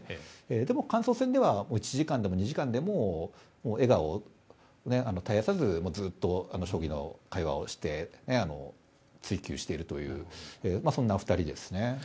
でも感想戦では１時間でも２時間でも笑顔を絶やさずずっと将棋の会話をして追究しているというそんな、お二人ですね。